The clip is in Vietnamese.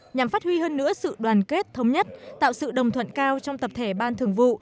nhằm phát huy hơn nữa sự đoàn kết thống nhất tạo sự đồng thuận cao trong tập thể ban thường vụ